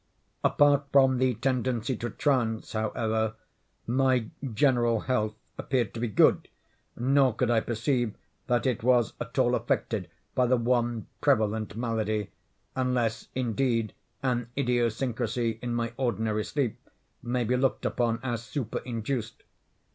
Apart from the tendency to trance, however, my general health appeared to be good; nor could I perceive that it was at all affected by the one prevalent malady—unless, indeed, an idiosyncrasy in my ordinary sleep may be looked upon as superinduced.